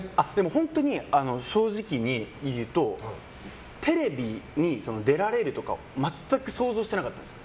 本当に正直に言うとテレビに出られるとか全く想像してなかったんです。